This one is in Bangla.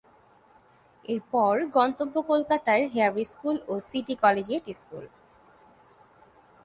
এরপর গন্তব্য কোলকাতার হেয়ার স্কুল ও সিটি কলেজিয়েট স্কুল।